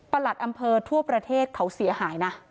หลัดอำเภอทั่วประเทศเขาเสียหายนะ